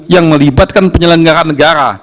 yang melibatkan penyelenggara negara